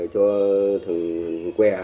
cho thằng que